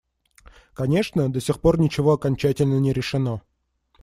Конечно, до сих пор ничего окончательно не решено.